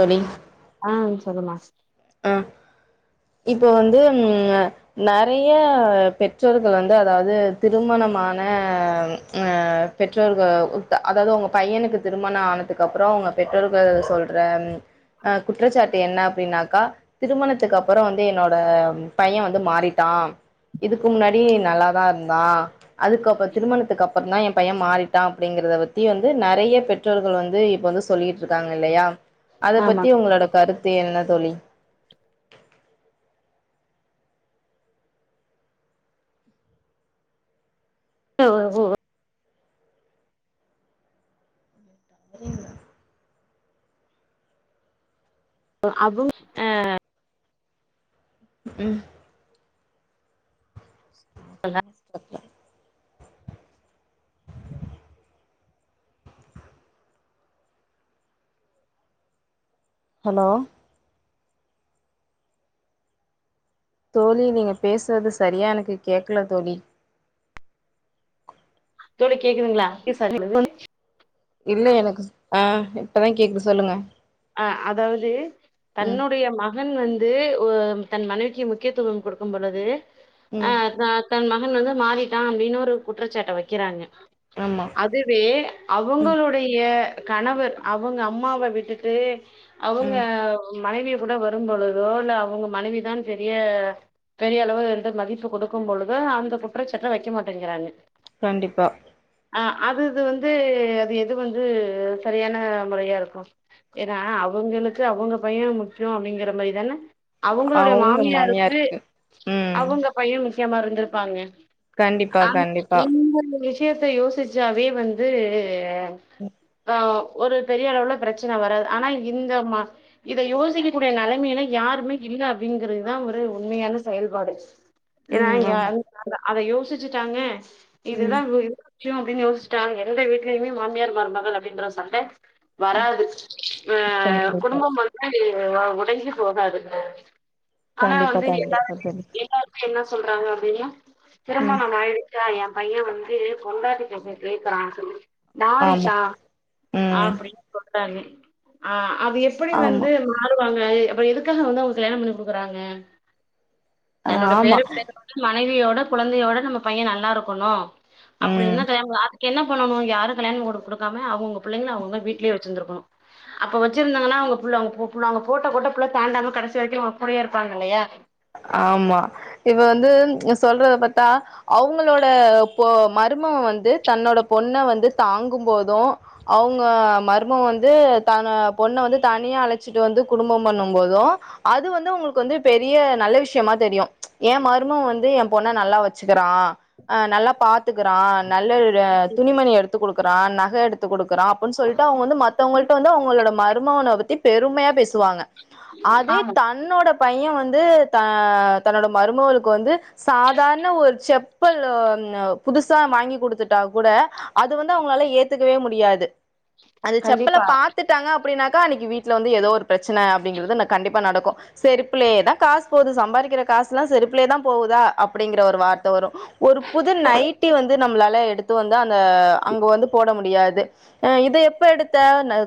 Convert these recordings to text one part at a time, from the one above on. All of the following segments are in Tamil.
தோழி ஆஹ் சொல்லுமா ஆ இப்போ வந்து ம் அ நறையா பெற்றோர்கள் வந்து அதாவது திருமணமான அஹ் பெற்றோர்கள் அதாவது உங்க பையனுக்கு திருமண ஆனதுக்குப்றோ அவுங்க பெற்றோர்கள் சொல்ற அஹ் குற்றச்சாட்டு என்ன அப்டின்னாக்கா திருமணத்துக்கப் அப்பறோ வந்து என்னோட பையன் வந்து மாறிட்டா இதுக்கு முன்னாடி நல்லாதா இருந்தான் அதுக்கப்ப திருமணத்துக்கப்றந்தா என் பையன் மாறிட்டான் அப்டிங்கிறத பத்தி வந்து நறைய பெற் றோர்கள் வந்து இப்ப வந்து சொல்லிட்ருக்காங்கில்லையா அத ஆமா பத்தி உங்களோட கருத்து என்ன தோழி எவ்ளவு [unintelligible] அ அவுங் அ ம் சொல்ல சொல்ல ஹலோ தோழி நீங்க பேசுறது சரியா எனக்கு கேக்கல தோழி தோழி கேக்குதுளா இல்ல எனக்கு சுத் ஆ இப்பதா கேக்குது சொல்லுங்க அ அதாவது ம் தன்னுடைய மகன் வந்து ஒ தன் மனைவிக்கி முக்கியத்துவம் குடுக்கும் பொழுது அ ம் த தன் மகன் வந்து மாறிட்டா அப்டின்னு ஒரு குற்றச்சாட்ட வைக்கிறாங்க ஆமா அதுவே ம் அவங்களுடைய கணவர் அவங்க அம்மாவ விட்டுட்டு அவங்க ம் மனைவிய கூட வரும் பொழுதோ இல்ல அவங்க மனைவிதான் பெரிய பெரிய அளவு என்ற மதிப்பு கொடுக்கும் பொழுது அந்த குற்றச்சாட்ட வைக்க மாட்டேங்கிறாங்க கண்டிப்பா ஆ அது இது வந்து அது எது வந்து சரியான முறையா இருக்கு ஏன்னா அவங்களுக்கு அவங்க பைய முக்கியோ அப்டிங்கிற மாரிதான அவங்களுடைய மாமியாருக்கு ம் அவங்க பைய முக்கியமா இருந்துருப்பாங்க கண்டிப்பா ஆம் கண்டிப்பா [unintelligible] விஷியத்த யோசிச்சாவே வந்து ஆ ஒரு பெரிய அளவுல பிரச்சன வராது ஆனா இந்த மா இத யோசிக்கக்கூடிய நெலமைல யாருமே இல்ல அப்டிங்கிறதுதா ஒரு உண்மையான செயல்பாடு ஏனா ம் இங்க அ ஆமா அந்த அத யோசிச்சிட்டாங்க ம் இதுதா வி ஷயோ அப்டின்னு யோசிச்சிட்டாங்க எந்த வீ்ட்லயுமே மாமியார் மருமகள் அப்டின்ற சண்ட வராது அ கண்டிப்பா குடும்பம் வந்து வ ஒடஞ்கசிபோகாது ஆனா கண்டிப்பா வந்து எல்லாரு கண்டிப்பா தோழி எல்லாருக்கு என்ன சொல்றாங்க அப்டின்னா ம் திருமணம் ஆய்டு கா எ பைய வந்து பொண்டாட்டி பேச்ச கேக்குறான் சொல்லி ஆமா மாறிட்டா ம் அப்டின் சொல்றாங்க ஆ அது எப்படி ஆமா வந்து மாறுவாங்க அப்ப எதுக்காக வந்து அவங்க கல்யாணம் பண்ணி குடுக்குறாங்க தன்னோட பேர ஆமா [unintelligible] மனைவியோட குழந்தையோட நம்ம பைய நல்லா இருக்கணு அப்படி ம் இருந்தா கல்யாணம் க் என்ன பண்ணணு யாரு கல்யாணம் பண்ணிக்குடு குடுக்காம அவங்கங்க பிள்ளைங்கள அவங்கங்க வீட்லே வச்சிருந்துருக்கணு அப்ப வச்சிருந்தாங்கன்னா அவங்க புள்ள அவங்க பு புள்ள அவங்க போட்ட கோட்ட புள்ள தாண்டாம கடைசி வரைக்கு அவங்க கூடையே இருப்பாங்க இல்லையா ஆமா இப்ப வந்து சொல்றத பாத்தா அவங்களோட போ மருமக வந்து தன்னோட பொண்ண வந்து தாங்கும் போதும் அவங்க மருமவ வந்து தன பொண்ண வந்து தனியா அழச்சிட்டு வந்து குடும்பம் பண்ணும் போதோ அது வந்து உங்களுக்கு வந்து பெரிய நல்ல விஷயமா தெரியு எ மருமவ வந்து எ பொண்ண நல்லா வச்சுக்கிறா நல்லா பார்த் த்துக்கிறா நல்ல துணிமணி எடுத்துக் குடுக்குறா நக எடுத் தத்து குடுக்குறா அப்டின் சொல்ட்டு அவங்க வந்து மத்தவங்கள்ட வந்து அவங்களோட மருமன பத்தி பெருமையா பேசுவாங்க அதே ஆமா தன்னோட பைய வந்து த தன்னோட மருமவளுக்கு வந்து சாதாரண ஒரு செப்பலு ஒன்னு புதுசா வாங்கி குடுத்துட்டா கூட அது வந்து அவங்களால ஏத்துக்கவே முடியாது அந்த செப்பல கண்டிப்பா பாத்துட் டாங்க அப்டின்னாக்க அன்னைக்கு வீட்ல வந்து ஏதோ ஒரு பிரச்சன அப்டிங்குறது கண்டிப்பா நடக்கு செருப்புலயே தா காசு போது சம்பாதிக்கிற காசு எல்லா செருப்புலே தா போகுதா அப்படிங்கிற ஒரு வார்த்த வரு ஒரு புது நைட்டி வந்து நம்மளால எடுத்து வந்து அந்த அங்க வந்து போட முடியாது அ இத எப்ப எடுத்த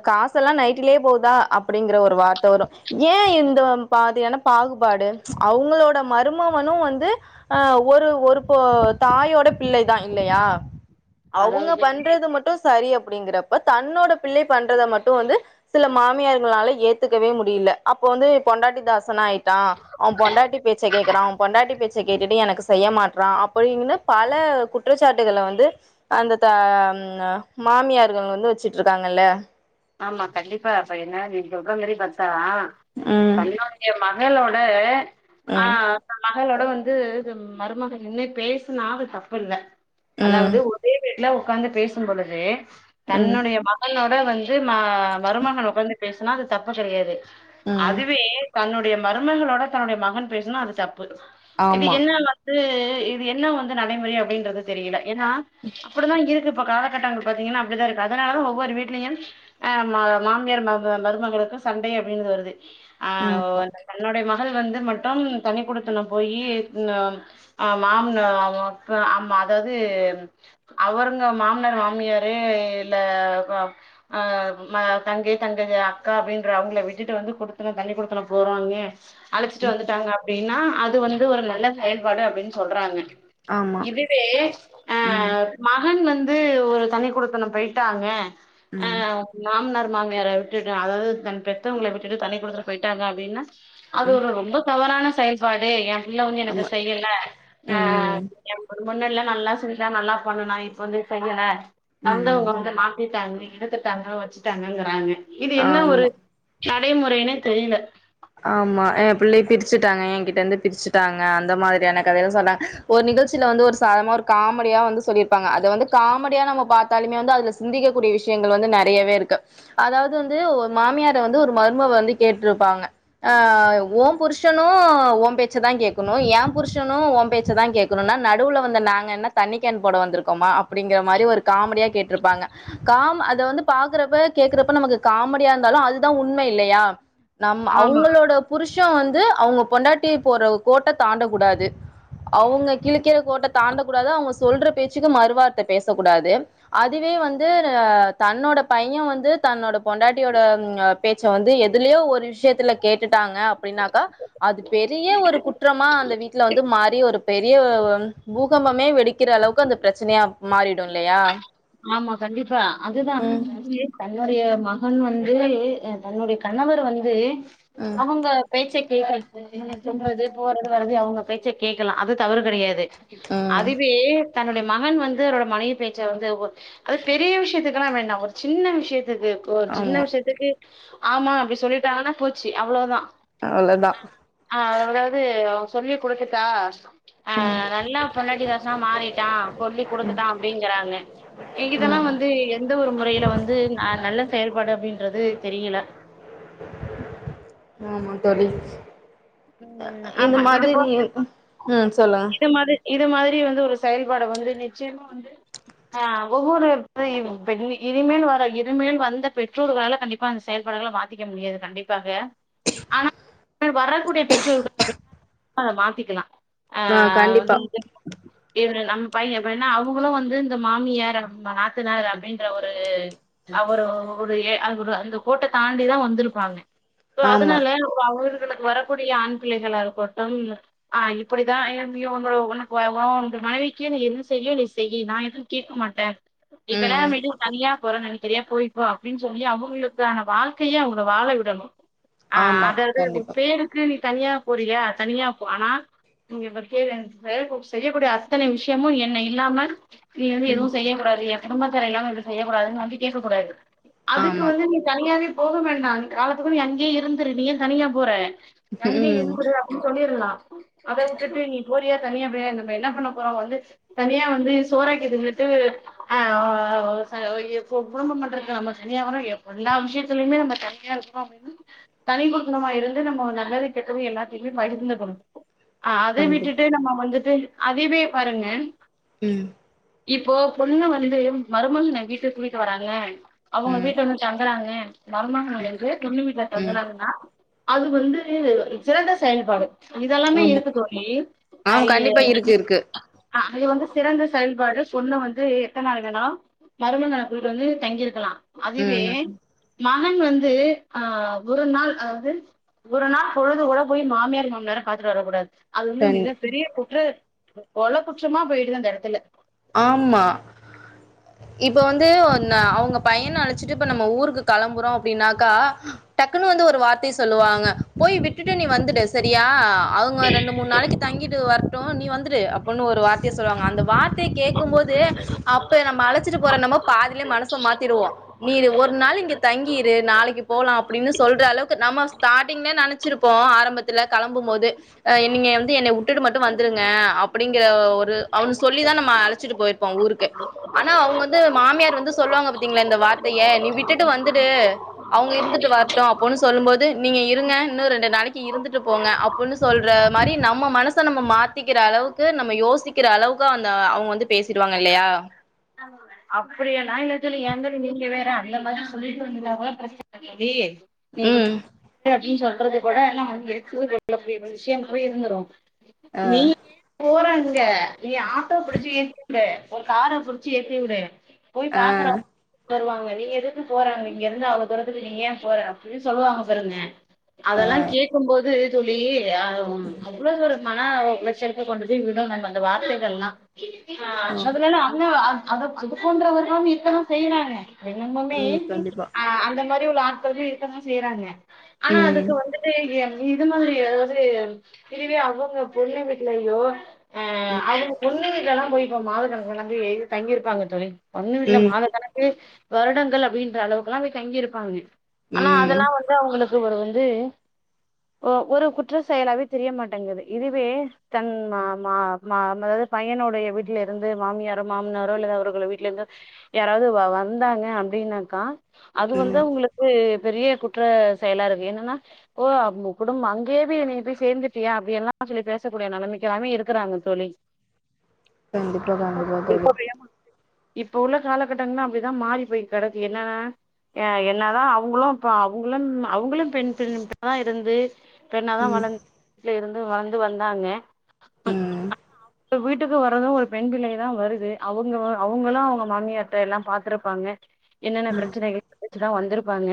காசு செல்லா நைட்டிலேயே போதா அப்படிங்கிற ஒரு வார்த்த வரு ஏ இந்த பாதியான பாகுபாடு அவங்களோட மருமவனு வந்து அ ஒரு ஒரு போ தாயோட பிள்ளை தா இல்லையா அவுங்க அதாவது பண்றது மட்டு சரி அப்படிங்கறப்ப தன்னோட பிள்ளை பண்றத மட்டு வந்து சில மாமியார்களால ஏத்துக்கவே முடியல அப்ப வந்து பொண்டாட்டிதாசனாயிட்டா அவ பொண்டாட்டி பேச்சை கேக்குறா அவ பொண்டாட்டி பேச்ச கேட்டுட்டு எனக்கு செய்ய மாற்றா அப்பிடின்னு பல குற்றச்சாட்டுக்கள வந்து அந்த த மாமியார்கள் வந்து வச்சுட்டு இருக்காங்கல்ல ஆமா கண்டிப்பா அப்ப என்ன நீ சொல்ற மாரி பாத்தா ம் தமிழ்நாட் எ மகளோட ஆ ம் இந்த மகளோட வந்து மருமகள் நின்னு பேசுனா அது தப்பு இல்ல ம் அதாவது ஒரே வீட்ல உக்காந்து பேசும்பொழுது ம் தன்னுடைய மகனோட வந்தெ து ம மருமகன ஒக்காந்து பேசுனா அது தப்பு கெடயாது ம் அதுவே தன்னுடைய மருமகளோட தன்னுடைய மகன் பேசுனா அது தப்பு இது ஆமா என்ன லா து இது என்ன வந்து நடைமுறை அப்டின்றது தெரியில என்னா அப்டிதா இருக்கு இப்பொ காலகட்டங்கள் பத்திங்கினா அப்டிதா இருக்கு அதனால ஒவ்வொரு வீட்லயும் அ மா மாமியார் மக மருமகளுக்கு சண்டை அப்டீன் வருது ஆ ஆமா தன்னுடை மகள் வந்து மட்டும் தனிக்குடுத்துனம் போயி ங்க அ மாம்னா அப்றொ அமா அதாது அவருங்க மாம்னார் மாமியாரே இல்ல அ ம தங்கை தங்க அக்கா அப்டின்ற அவங்ள விட்டுட்டு வந்து குடுத்தற தனி குடுத்துன போறாங்க அழச்சிட்டு வந்துட்டாங்க அப்டீனா அது வந்து ஒரு நல்ல செயல்பாடு அப்டீன் சொல்றாங்க ஆமா இதுவே அ ம் மகன் வந்து ஒரு தனிகுடுத்தனம் போய்ட்டாங்க அ ம் மாம்னாரு மாமியாரு ட்டுட்டு அதாது தன் பெத்தவங்கள விட்டுட்டு தனி குடுத்தனு போயிட்டாங்க அப்டீனா அது ம் ஒரு ரொம்ப தவறான செயல் பாடு ஏ புள்ள வந்து எனக்கு ஆமா செய்யல அ ம் ஏ முன்னாடில நல்லா செஞ்சா நல்லா பண்ணுனா இப்ப வந்து செய்யல ம் வந்தவங்க வந்து மாத்தி ட்டாங்க எடுத்துட்டாங்க வச்சுட்டாங்கங்கிறாங்க இது என்ன ஒரு ஆமா நடைமுறைன்னே தெரில ஆமா எ பிள்ளைய பிரிச்சுட்டாங்க என் கிட்ட இருந்து பிரிச்சுட்டாங்க அந்த மாரியான கதையலா சொன்னாங் ஒரு நிகழ்ச்சியில வந்து ஒரு சாதர்னமா ஒரு காமடியா வந்து சொல்லிருப்பாங்க அத வந்து காம டியா நம்ம பாத்தாலுமே வந்து அதுல சிந்திக்கக் கூடிய விஷயங்கள் வந்து நெறையவே இருக்கு அதாவது வந்து ஒரு மாமியார வந்து ஒரு மருமவ வந்து கேட்டுருப்பாங்க ஆ ஓம் புருஷனும் ஓ பேச்ச தா கேக்கணு எ புருஷனும் ஓ பேச்ச தா கேக்கணுனா நடுவுல வந்த நாங்க என்ன தண்ணி கேன் போட வந்திருக்கோமா அப்டிங்கிற மாரி ஒரு காமெடியா கேட்ருப்பாங்க காம் அத வந்து பாக்குறப்ப கேக்குறப்ப நமக்கு காமடியா இந்தாலு அதுதா உண்ம இல்லயா ஆமா அவுங்களோட புருஷ வந்து அவங்க பொண்டாட்டி போற கோட்ட தாண்ட குடாது அவுங்க கிழிக்கிற கோட்ட தாண்ட குடாது அவுங்க சொல்ற பேச்சுக்கு மறுவார்த்த பேச குடாது அதுவே வந்து தன்னோட பைய வந்து தன்னோட பொண்டாட்டியோட ம் அ பேச்ச வந்து எதுலியோ ஒரு விஷயத்துல கேட்டுட்டாங்க அப்டின்னாக்கா அது பெரிய ஒரு குற்றமா அந்த வீட்ல வந்து மாறி ஒரு பெரிய பூகம்பமே வெடிக்கிற அளவுக்கு அந்த பிரச்சனையா மாறிடு இல்லயா ஆமா கண்டிப்பா அதுதா எ தன்னுடைய மகன் வந்து தன்னுடைய கணவர் வந்து ம் அவுங்க பேச்ச கேக்கல [unintelligible] தூங்குறது போறது வரது அவுங்க பேச்ச கேட்கலா அது தவறு கெடயாது ம் அதுவே தன்னுடைய மகன் வந்து அவரோட மனைவி பேச்ச வந்து ஒ அத் பெரிய விஷ்யத்துக்கெல்லா வேண்டா ஒர் சின்ன விஷ்யத்துக்கு ஒர் சின்ன ஆமா விஷ்யத்துக்கு ஆமா அப்டி சொல்லிடாங்கன்னா போச்சி அவ்ளோதா அவ்ளோதா ஆ அதாவ்து அவ சொல்லி குடுத்துட்டா ஆ நல்லா பொன்டாட்டிதாஸ்னா மாறிட்டா சொல்லி குடுத்துட்டா அப்டிங்கறாங்க இதெல்லா ம் வந்து எந்த ஒரு முறையில வந்து அ நல்ல செயல்பாடு அப்டின்றது தெரியல ஆமா தோழி ம் இது ஆமா மாதிரி போ நீ ம் சொல்லு இது மாதிரி இது மாதிரி வந்து ஒரு செயல்பாட வந்து நிச்சயமா வந்து [inaudible] அ ஒவ்வொரு [unintelligible] இனிமேல் வர இருமேல் வந்த பெற்றோர்களால கண்டிப் ப்பா அந் செயல்பாடுகள்ளா மாத்திக்க முடியாது கண்டிப்பாக ஆனா வரக்கூடிய பெற்றோர்க அப்டி அத மாத்திக்கலா அ ஆ கண்டிப்பா வந்து [inaudible] இவுரு நம்ம பைய அப்டின்னா அவங்களு வந்து இந்த மாமியார் நாத்தனார் அப்டின்ற ஒரு அவரோ ஒரு எ ஒரு அந்த கோட்ட தாண்டிதா வந்திருப்பாங்க ஆமா அதுனால அவர்களுக்கு வரக்கூடிய ஆண் பிள்ளைகளா இருக்கட்டு அ இப்படிதா உன்னோட உனக்கு உன் வீட்டு மனைவிக்கு நீ எது செய்வியோ நீ செய்யு நா எது கேக்க மாட்டே நீ ம் கல்யாணோ பண்ணிட்டு தனியா போறேன்னு நினைக் தனியா போய்கோ அப்டின்னு சொல்லி அவங்களுக்கான வாழ்க்கைய அவங்க வாழ விடணு அ ஆமா அது அது கண்டிப்பா பேருக்கு நீ தனியா போறியா தனியா போ ஆனா இங்க பாத்தியா இல்லையா செய்யக் கூடி செய்யக்கூடிய அத்தனை விஷயமு என்ன இல்லாம நீ வந்து எதுவு செய்யக் கூடாது என் குடும்பத்தினரு இல்லாம எந்து செய்யக் கூடாதுன்னு வந்து கேக்க கூடாது அதுக்கு ஆமா வந்து நீ தனியாவே போக வேண்டா நீ காலத்துக்கு நீ அங்கயே இருந்துரு நீ தனியா போற அங்கேயே ம் இருந்துரு சொல்லிரலா அத உட்டுட்டு நீ போரியா தனியா போ நம்ம என்ன பண்ண போறோ வந்து தனியா வந்து சோறக்கி தின்னுட்டு அ குடும்பம் பண்றதுக்கு நம்ம தனியாகூட எப்ப எல்லா விஷயத்திலயுமே நம்ம தனியா இருக்கணு அப்டின்னா தனி குடுத்தணுமா இருந்து நம்ம நல்லது [unintelligible] எல்லாத்தையுமே பகிர்ந்துக்கணு அத கண்டிப்பா விட்டுட்டு நம்ம வந்துட்டு அதுவே பாருங்க ம் இப்போ பொண்ணு வந்து மருமகனை வீட்டுக்கு கூட்டிட்டு வராள அவங்க ம் வீட்ல வந்து தங்குறாங்க மருமகங்க வந்து பொண்ணு வீட்ல ம் தங்கறாங்கன்னா அது வந்து ந்து சிறந்த செயல்பாடு இதெல்லாமே ஆமா இருக்கு தோழி ஆ ஐய கண்டிப்பா இருக்கு இருக்கு அ அது வந்து சிறந்த செயல்பாடு பொண்ணு வந்து எத்தனநாள் வேணா மருமகன கூட்டு வந்து தங்கிருக்கலா அதுவே ம் மகன் வந்து ஆ ஒரு நாள் அதாவ்து ஒரு நாள் பொழுது கூட போய் மாமியார் மாம்னார பாத்துட்டு வரக்கூடாது அது வந்து கண் மிக பெரிய குற்று கொள குற்றமா போய்டுது அந்த எடத்துல ஆம்மா இப்ப வந்து ந அவுங்க பைய்ன அழச்சிட்டு இப்ப நம்ம ஊருக்கு களம்புறோ அப்டின்னாக்கா டக்குன்னு வந்து ஒரு வார்த்தைய சொல்லுவாங்க போயி விட்டுட்டு நீ வந்துடு செரியா அவுங்க ரெண்டு மூணு நாளைக்கு தங்கிட்டு வரட்டு நீ வந்துடு அப்பன்னு ஒரு வார்த்தைய சொல்லுவாங்க அந்த வார்த்தைய கேக்கும் போது து அப்ப நம்ம அழைச்சிட்டு போற என்னமோ பாதிலயே மனச மாத்திடுவோ நீனு ஒரு நாள் இங்க தங்கியிரு நாளைக்கு போலா அப்படின்னு சொல்ற அளவுக்கு நம்ம ஸ்டார்டிங்ல நினைச்சிருப்போ ஆரம்பத்துல கிளம்பும் போது அ நீங்க வந்து என்ன உட்டுட்டு மட்டும் வந்துடுங்க அப்படிங்கற ஒரு அவனு சொல்லிதா நம் ம அழைச்சிட்டு போயிருப்போ ஊருக்கு ஆனா அவுங்க வந்து மாமியார் வந்து சொல்லுவாங்க பாத்தீங்களா இந்த வார்த்தைய நீ விட்டுட்டு வந்துடு அவுங்க இருந்துட்டு வரட்டு அப்புன்னு சொல்லும் போது நீங்க இருங்க இன்னு ரெண்டு நாளைக்கு இருந்துட்டு போங்க அப் புனு சொல்ற மாறி நம்ம மனச நம்ம மாத்திக்கிற அளவுக்கு நம்ம யோசிக்கிற அளவுக்கு அந் த அவுங்க வந்து பேசிடுவாங்க இல்லையா அப்படியெல்லா இல்ல தோழி ஏன் தோழி நீங்க வேற அந்த மாரில்லா சொல்லிட்டு வந்து எவ்ளோ பிரச்சன அப்டி நீ ம் குடுத் ஏ அப்படின்னு சொல்றது கூட [unintelligible] இவ்ளோ பெரிய விஷயம் போய் இருந்துரு நீ ஏன் போற அங்க நீ ஆட்டோ புடிச்சு ஏத்தி விடு ஒரு கார புடிச் சி ஏத்தி விடு போய் பாக்கறா வருவாங்க நீங்க எதுக்கு போற அங்க இங்க இருந்து அவ்ளோ தூரத்துக்கு நீ ஏன் போற அப்படின்னு சொல்லுவாங்க பாருங்க அதெல்லா கேக்கும் போது தோழி அ அவ்ளோ தூர மன உளைச்சலுக்கு கொண்டுபோய் விடுங்க அந்த வார்த்தைகள்லா ஆ அதுலலா அங்க அத அது போன்றவர்களும் இருக்கத்தான் செய்றாங்க இன்னமுமே ம் கண்டிப்பா அந்த மாரி உள்ள ஆட்களுமே இருக்கதா செய்றாங்க ஆனா ம் அதுக்கு வந்துட்டு இது மாறி அதாவது இதுவே அவுங்க பொண்ணு வீட்லையோ அ ம் அது பொண்ணு வீட்லலா போயி இப்ப மாத கணக்குலலா போய் தங்கியிருப்பாங்க தோழி பொண்ணு வீட்ல ம் மாதக் கணக்கு வருடங்கள் அப்படின்ற அளவுக்கெல்லா போயி தங்கியிருப்பாங்க ஆனா ம் அதெல்லா வந்து அவுங்களுக்கு ஒரு வந்து ஒ ஒரு குற்ற செயலாவே தெரிய மாட்டேங்குது இதுவே தன் மா மா மா என்னது பையனுடைய வீட்ல இருந்து மாமியாரும் மாமனாரோ இல்லது அவர்கள வீட்ல இருந்து யாராவது வந்தாங்க அப்படின்னாக்கா அது வந்து உங்களுக்கு பெரிய குற்ற செயலா இருக்கு என்னன்னா ஓ குடும்ப அங்கேயே நீ போய் சேந்துட்டியா அப்படி எல்லாம் சொல்லி பேசக்கூடிய நிலைமைக்கல்லாமே இருக்குறாங்க தோழி கண்டிப்பா இப்ப கண்டிப்பா தோழி இப்ப உள்ள காலகட்டங்கள்ல அப்படிதா மாறி போய் கெடக்கு என்னன்னா அ என்னாதா அவங்களு இப்ப அவங்களும் அவங்களும் பெண் பென் பெண்ணா இருந்து பெண்ணாதா ம் வளர் வீட்ல இருந்து வளர்ந்து வந்தாங்க ம் இப்ப வீட்டுக்கு வரது ஒரு பெண் பிள்ளை தா வருது அவுங்க அவுங்களும் அவுங்க மாமியார்ட்ட எல்லாம் பாத்துருப்பாங்க என்னென்ன ம் பிரச்சனைகள் வெச்சுதா வந்திருப்பாங்க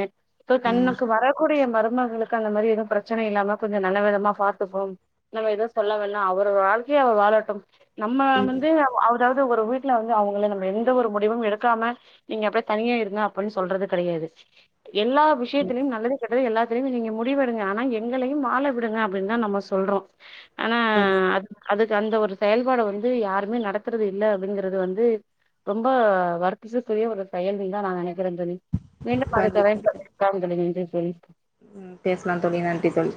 சோ ம் தன்னுக்கு வரக்கூடிய மருமகளுக் கு அந்த மாதிரி எதுவு பிரச்சனை இல்லாம கொஞ்ச நல்ல விதமா பாத்துப்போம் நம்ம எதோ சொல்லாம்லா அவர் வாழ்க்கைய அவர் வாழட்டும் நம்ம வந்து அவ அதாவது ஒரு வீட்ல வந்து அவுங்கள நம்ம எந்த ஒரு முடிவும் எடுக்காம நீங்க அப்படியே தனியா இருங்க அப்படின்னு சொல்றது கிடையாது எல்லா ம் விஷயத்திலயும் நல்லது கெட்டது எல்லாத்துலையும் நீங்க முடிவு எடுங்க ஆனா எங்களையும் வாழ விடுங்க அப்படின்னு தா நம்ம சொல்றோ ஆனா கண்டிப்பா அது அதுக்கு அந்த ஒரு செயல்பாட வந்து யாருமே நடத்துறது இல்ல அப்படிங்கறது வந்து ரொம்ப வருத்ததற்குரிய ஒரு செயல்வி தா நா நினைக்கிறே தோழி மீண்டும் அடுத்த கண்டிப்பா அழைப்புல பேசலாம் தோழி நன்றி தோழி ம் பேசலாம் தோழி நன்றி தோழி